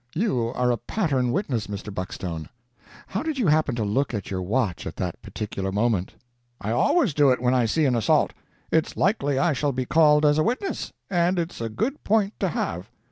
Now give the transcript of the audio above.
You are a pattern witness, Mr. Buckstone. How did you happen to look at your watch at that particular moment?" "I always do it when I see an assault. It's likely I shall be called as a witness, and it's a good point to have."